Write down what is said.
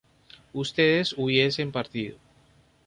ustedes hubiesen partido